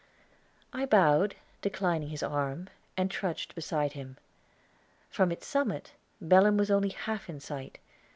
I bowed, declining his arm, and trudged beside him. From its summit Belem was only half in sight.